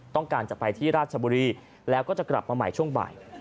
ต้องการจะไปที่ราชบุรีแล้วก็จะกลับมาใหม่ช่วงบ่าย